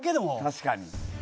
確かに。